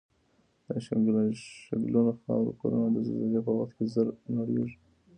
د شګلنو خاورو کورنه د زلزلې په وخت زر نړیږي